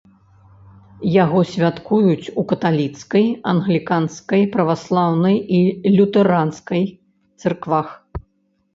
Яго святкуюць у каталіцкай, англіканскай, праваслаўнай і лютэранскай цэрквах.